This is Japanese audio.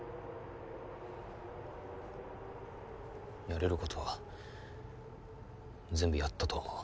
やれることは全部やったと思う。